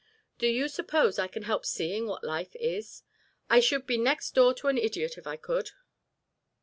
Do you suppose I can help seeing what life is? I should be next door to an idiot if I could."